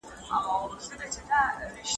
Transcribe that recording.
د اوبو په واسطه بدن روغ پاته کیږي.